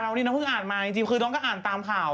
โอลี่คัมรี่ยากที่ใครจะตามทันโอลี่คัมรี่ยากที่ใครจะตามทัน